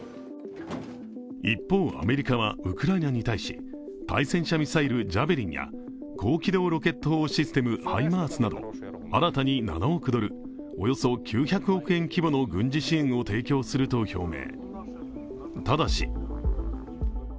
一方、アメリカはウクライナに対し対戦車ミサイル・ジャベリンや高軌道ロケット砲システムハイマースなど新たに７億ドル、およそ９００億円規模の軍事支援を供給すると表明。